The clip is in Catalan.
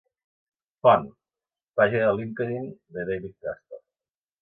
Font: pàgina de LinkedIn de David Casper.